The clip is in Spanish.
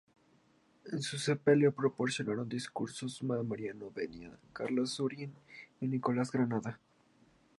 En su sepelio pronunciaron discursos Mariano de Vedia, Carlos Urien y Nicolás Granada.